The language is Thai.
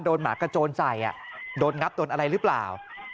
หมากระโจนใส่โดนงับโดนอะไรหรือเปล่า